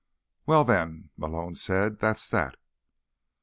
"Well, then," Malone said, "that's that."